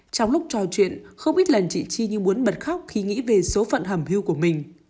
trong lúc trò chuyện không ít lần chị chi như muốn bật khóc khi nghĩ về số phận hầm hưu của mình